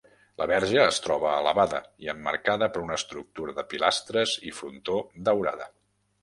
La Verge es troba elevada i emmarcada per una estructura de pilastres i frontó daurada.